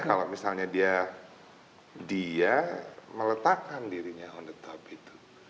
kalau misalnya dia meletakkan dirinya on the top itu